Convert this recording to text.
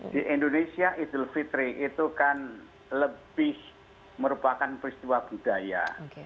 di indonesia idul fitri itu kan lebih merupakan peristiwa budaya